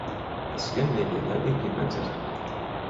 The skin may be lightly pigmented.